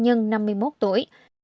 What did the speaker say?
hành nhân năm mươi một tuổi